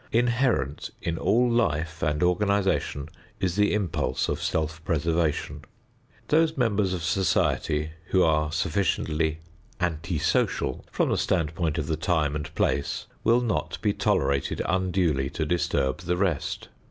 Inherent in all life and organization is the impulse of self preservation. Those members of society who are sufficiently "anti social" from the standpoint of the time and place will not be tolerated unduly to disturb the rest.